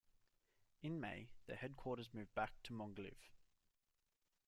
In May, the headquarters moved back to Mogilev.